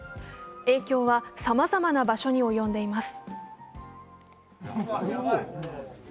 影響はさまざまな場所に及んでいます。